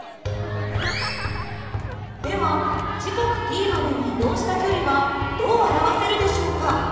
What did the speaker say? では時刻ｔまでに移動した距離はどう表せるでしょうか。